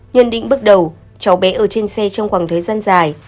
nhân định bước đầu cháu bé ở trên xe trong khoảng thời gian dài